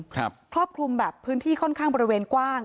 ครอบคลุมแบบพื้นที่ค่อนข้างบริเวณกว้าง